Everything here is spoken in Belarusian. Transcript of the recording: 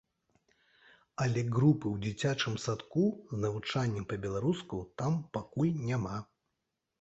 Але групы ў дзіцячым садку з навучаннем па-беларуску там пакуль няма.